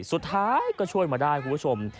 สุดท้ายก็ช่วยมาได้คุณผู้ชม